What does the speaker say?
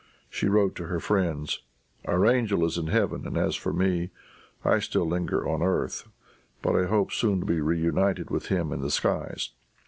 She wrote to her friends, "Our angel is in heaven; and, as for me, I still linger on earth: but I hope soon to be reunited with him in the skies!"